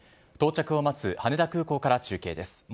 到着を待つ羽田空港から中継です。